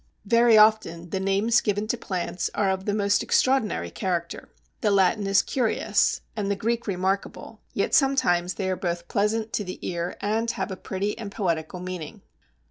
Very often the names given to plants are of the most extraordinary character. The Latin is curious and the Greek remarkable, yet sometimes they are both pleasant to the ear and have a pretty and poetical meaning.